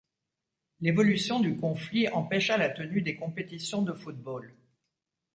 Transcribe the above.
L’évolution du conflit empêcha la tenue des compétitions de football.